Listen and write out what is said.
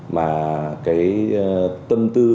mà cái tâm tư